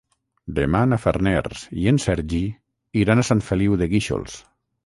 Demà na Farners i en Sergi iran a Sant Feliu de Guíxols.